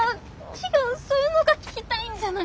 違うそういうのが聞きたいんじゃなくて。